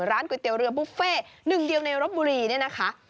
ก๋วยเตี๋ยเรือบุฟเฟ่หนึ่งเดียวในรบบุรีเนี่ยนะคะ